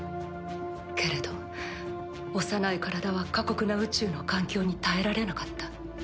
けれど幼い体は過酷な宇宙の環境に耐えられなかった。